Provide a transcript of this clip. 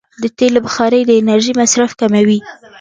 د تېلو بخاري د انرژۍ مصرف کموي.